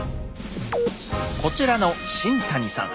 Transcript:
こちらの新谷さん